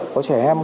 có trẻ em